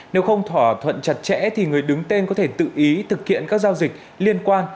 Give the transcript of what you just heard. nếu không thỏa thuận chặt chẽ thì người đứng tên có thể tự ý thực hiện các giao dịch liên quan